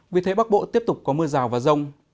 vì thế bắc bộ tiếp tục có mưa rào và rông